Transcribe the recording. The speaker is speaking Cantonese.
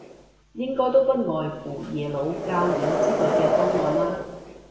應該都不外乎耶魯、教院之類嘅方案啦